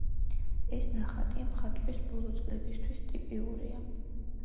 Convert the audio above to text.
ეს ნახატი მხატვრის ბოლო წლებისთვის ტიპიურია.